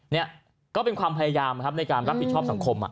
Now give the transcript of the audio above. นี่ก็เป็นความพยายามครับในการรับผิดชอบสังคม